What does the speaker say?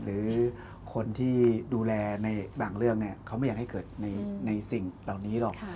หรือคนที่ดูแลในบางเรื่องเขาไม่อยากให้เกิดในสิ่งเหล่านี้หรอก